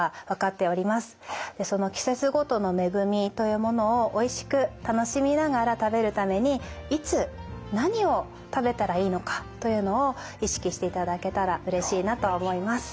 その季節ごとの恵みというものをおいしく楽しみながら食べるためにいつ何を食べたらいいのかというのを意識していただけたらうれしいなと思います。